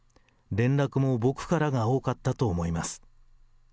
連絡も僕からが多かったと思います。